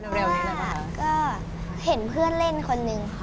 ก็เห็นเพื่อนเล่นคนนึงค่ะ